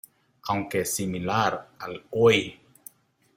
Aunque similar al Oi!